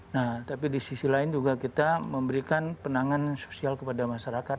nah tapi di sisi lain juga kita memberikan penanganan sosial kepada masyarakat